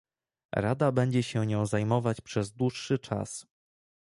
Rada będzie się nią zajmować przez dłuższy czas